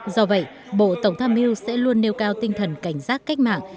do vậy bộ tổng tham mưu sẽ luôn nêu cao tinh thần cảnh giác cách mạng